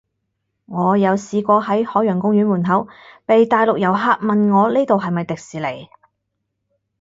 我有試過喺海洋公園門口，被大陸遊客問我呢度係咪迪士尼